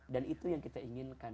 dan itu yang kita inginkan